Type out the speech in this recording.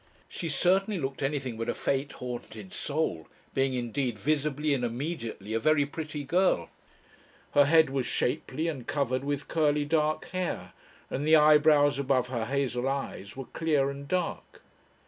She certainly looked anything but a Fate haunted soul, being indeed visibly and immediately a very pretty girl. Her head was shapely and covered with curly dark hair, and the eyebrows above her hazel eyes were clear and dark.